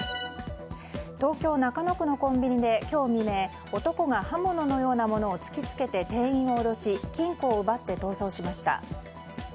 東京・中野区のコンビニで今日未明男が刃物のようなものを突き付けて店員を脅し金庫を奪って逃走しました。